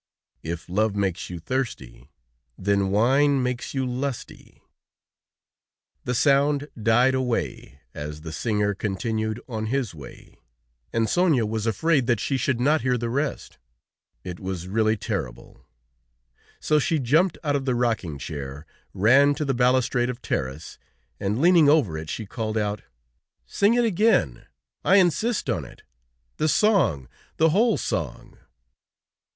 If love makes you thirsty, Then wine makes you lusty_." The sound died away, as the singer continued on his way, and Sonia was afraid that she should not hear the rest; it was really terrible; so she jumped out of the rocking chair, ran to the balustrade of terrace, and leaning over it, she called out: "Sing it again! I insist on it. The song, the whole song!"